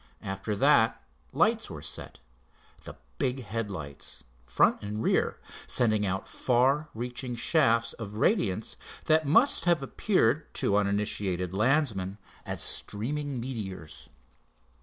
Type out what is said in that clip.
After that lights were set, the big headlights, front and rear, sending out far reaching shafts of radiance that must have appeared to uninitiated landsmen as streaming meteors.